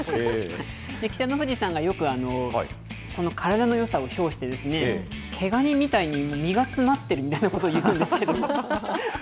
北の富士さんがよくこの体のよさを評して、毛ガニみたいに身が詰まっていると言ってるんですけども。